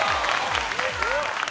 すごい。